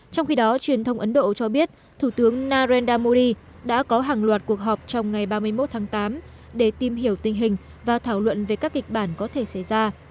trong khi đó truyền thông ấn độ cho biết thủ tướng narendra modi đã có hàng loạt cuộc họp trong ngày ba mươi một tháng tám để tìm hiểu tình hình và thảo luận về các kịch bản có thể xảy ra